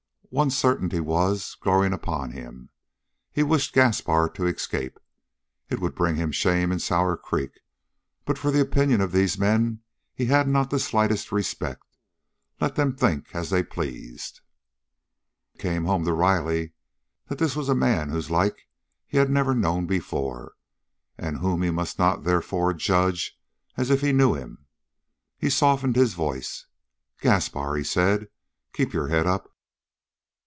One certainty was growing upon him. He wished Gaspar to escape. It would bring him shame in Sour Creek, but for the opinion of these men he had not the slightest respect. Let them think as they pleased. It came home to Riley that this was a man whose like he had never known before, and whom he must not, therefore, judge as if he knew him. He softened his voice. "Gaspar," he said, "keep your head up.